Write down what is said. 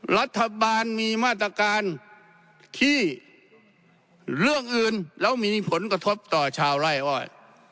รัฐบาลมีมาตรการที่เรื่องอื่นแล้วมีผลกระทบต่อชาวไล่อ้อย